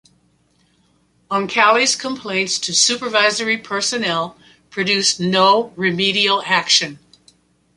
Oncale's complaints to supervisory personnel produced no remedial action.